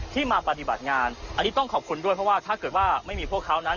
มาปฏิบัติงานอันนี้ต้องขอบคุณด้วยเพราะว่าถ้าเกิดว่าไม่มีพวกเขานั้น